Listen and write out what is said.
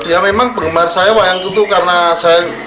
ya memang penggemar saya wayang kutu karena saya